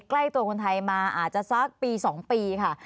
ใกล้ตัวคนไทยมาอาจจะสักปี๒ปีค่ะ